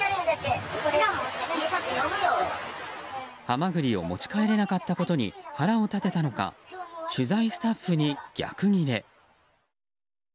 ハマグリを持ち帰れなかったことに腹を立てたのか取材スタッフに逆ギレ。